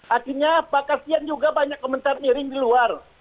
akhirnya pak kasihan juga banyak komentar miring di luar